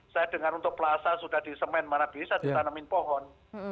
saya dengar untuk plaza sudah disemen mana bisa ditanemin pohon